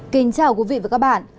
kính chào quý vị và các bạn